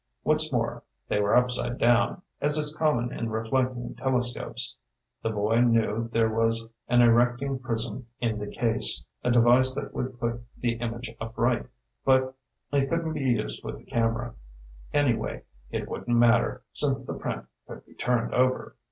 What's more, they were upside down, as is common in reflecting telescopes. The boy knew there was an erecting prism in the case, a device that would put the image upright, but it couldn't be used with the camera. Anyway, it wouldn't matter, since the print could be turned over.